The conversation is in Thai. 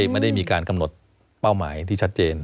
ไม่ได้มีการกำหนดเป้าหมายที่ชัดเจน